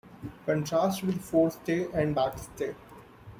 Contrast with forestay and backstay.